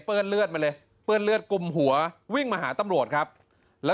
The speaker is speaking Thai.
เปื้อนเลือดมาเลยเปื้อนเลือดกลุ่มหัววิ่งมาหาตำ